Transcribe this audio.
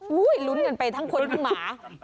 หู้ยรุ้นกันไปทั้งคนพวกหมา